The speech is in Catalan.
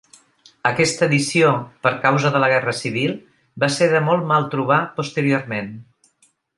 Aquesta edició per causa de la guerra civil va ser de molt mal trobar posteriorment.